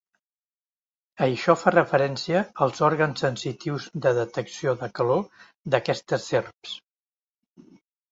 Això fa referència als òrgans sensitius de detecció de calor d'aquestes serps.